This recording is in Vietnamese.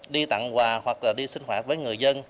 đi tặng quà hoặc là đi sinh hoạt với người dân